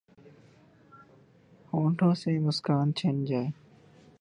ہونٹوں سے مسکان چھن جائے